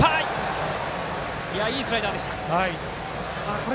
いいスライダーでした。